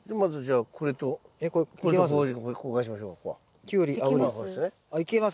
あいけます？